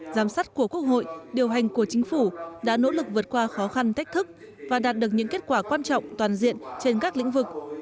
giám sát của quốc hội điều hành của chính phủ đã nỗ lực vượt qua khó khăn thách thức và đạt được những kết quả quan trọng toàn diện trên các lĩnh vực